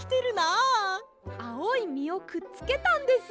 あおいみをくっつけたんです。